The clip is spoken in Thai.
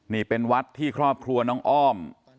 นี่เป็นวัดที่ครอบครัวน้องอ้อม